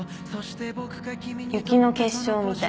雪の結晶みたい。